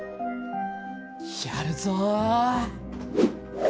やるぞ！